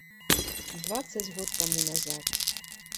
Дваццаць год таму назад!